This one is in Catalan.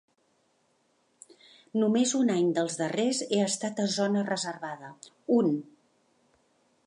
Només un any dels darrers he estat a zona reservada, un.